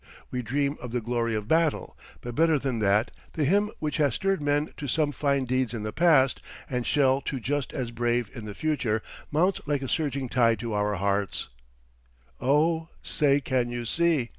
We dream of the glory of battle; but better than that, the hymn which has stirred men to some fine deeds in the past, and shall to just as brave in the future, mounts like a surging tide to our hearts: "Oh, say, can you see?"